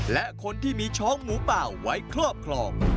และคนที่มีช้องหมูป่าไว้ครอบครอง